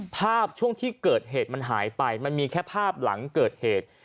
ช่วงที่เกิดเหตุมันหายไปมันมีแค่ภาพหลังเกิดเหตุ